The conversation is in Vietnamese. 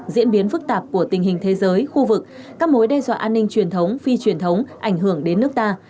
diễn biến phức tạp của tình hình thế giới khu vực các mối đe dọa an ninh truyền thống phi truyền thống ảnh hưởng đến nước ta